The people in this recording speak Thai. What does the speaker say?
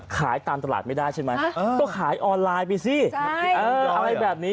ขายตามตลาดไม่ได้ใช่ไหมก็ขายออนไลน์ไปสิอะไรแบบนี้